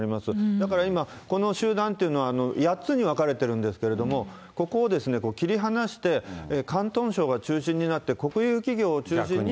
だから今、この集団っていうのは、８つに分かれてるんですけれども、ここを切り離して、広東省が中心になって国有企業を中心に、